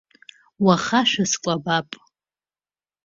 Уаха шәыскәабап?